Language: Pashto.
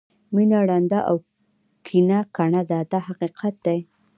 مینه ړانده او کینه کڼه ده دا حقیقت دی.